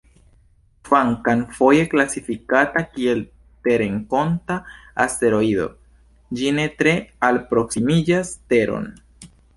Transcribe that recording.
Kvankam foje klasifikata kiel terrenkonta asteroido, ĝi ne tre alproksimiĝas Teron.